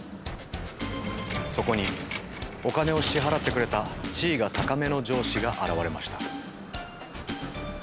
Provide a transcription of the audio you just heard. そこにお金を支払ってくれた地位が高めの上司が現れました。